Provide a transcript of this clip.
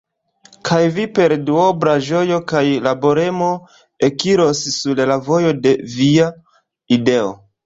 Kaj Vi per duobla ĝojo kaj laboremo ekiros sur la vojo de Via ideo!"